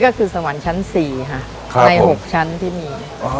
ก็คือสวรรค์ชั้น๔ค่ะใน๖ชั้นที่มี